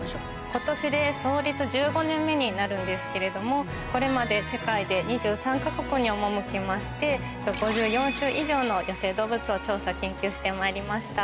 ことしで創立１５年目になるんですけれども、これまで世界で２３か国に赴きまして、５４種以上の野生動物を調査・研究してまいりました。